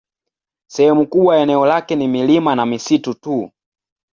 Sehemu kubwa ya eneo lake ni milima na misitu tu.